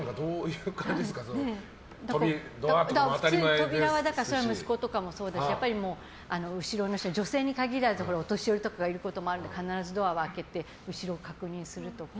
扉とかは息子もそうですし後ろの人に、女性に限らずお年寄りとかがいることもあると必ずドアを開けて後ろを確認するとか。